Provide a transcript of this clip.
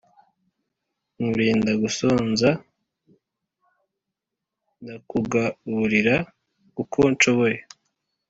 nkurinda gusonza ndakugaburira uko nshoboye